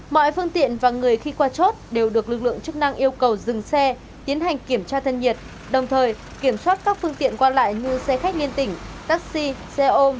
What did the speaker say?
mọi phương tiện và người khi qua chốt đều được lực lượng chức năng yêu cầu dừng xe tiến hành kiểm tra thân nhiệt đồng thời kiểm soát các phương tiện qua lại như xe khách liên tỉnh taxi xe ôm